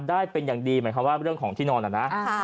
ได้เป็นอย่างดีหมายความว่าเรื่องของที่นอนนะ